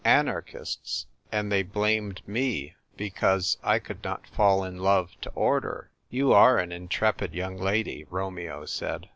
" Anarchists !— and they blamed me because I could not fall in love to order !" "You are an intrepid young lady," Romeo said.